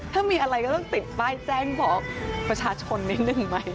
ถ้ามีอะไรก็ต้องติดป้ายแจ้งบอกประชาชนนิดนึงไหม